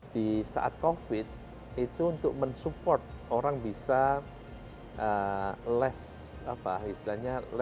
di saat covid itu untuk mensupport orang bisa less apa istilahnya